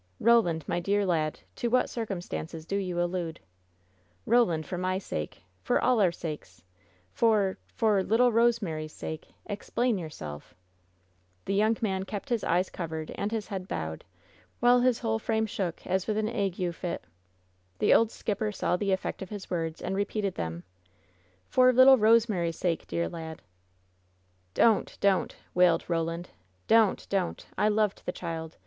"Roland, my dear lad, to what circumstances do you WHEN SHADOWS DEE 95 allude? Roland, for my sake — for all our sakes — for — for — little Kosemary^s sake, explain yourself !" The young man kept his eyes covered and his head bowed, while his whole frame shook as with an ague fit. The old skipper saw the effect of his words, and re peated them: "For little Rosemary^s sake, dear lad!" "Don't! don't!" wailed Roland. "Don't! don't! I loved the child